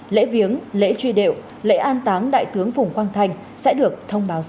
lễ viếng lễ truy điệu lễ an táng đại tướng phùng quang thanh sẽ được thông báo sau